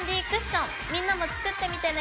みんなも作ってみてね！